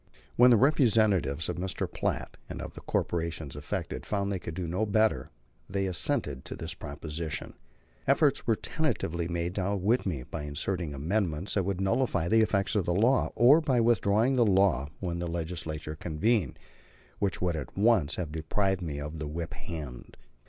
When the representatives of Mr. Platt and of the corporations affected found they could do no better, they assented to this proposition. Efforts were tentatively made to outwit me, by inserting amendments that would nullify the effect of the law, or by withdrawing the law when the Legislature convened; which would at once have deprived me of the whip hand.